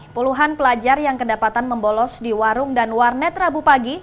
puluhan pelajar yang kedapatan membolos di warung dan warnet rabu pagi